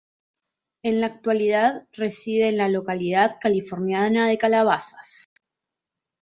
En la actualidad reside en la localidad californiana de Calabasas.